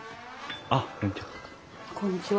あっこんにちは。